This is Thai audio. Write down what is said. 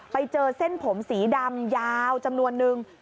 ไปเจอเส้นผมสีดำยาวจำนวนนึง